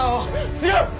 違う！